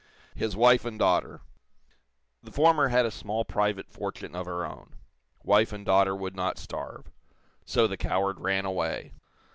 His wife and daughter. The former had a small private fortune of her own; wife and daughter would not starve. So the coward ran away.